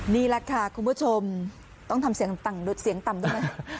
นี่แหละค่ะคุณผู้ชมต้องทำเสียงต่ำดูดเสียงต่ำด้วยไหม